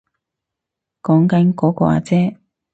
講緊嗰個阿姐